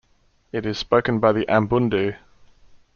It is spoken by the Ambundu.